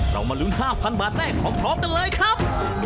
มาลุ้น๕๐๐๐บาทเต้พร้อมกันเลยครับ